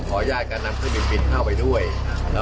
ขออนุมัติขออนุมัติขออนุมัติ